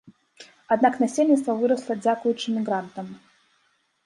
Аднак насельніцтва вырасла дзякуючы мігрантам.